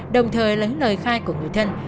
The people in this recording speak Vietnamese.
đồng thời lấy lời khai của người thân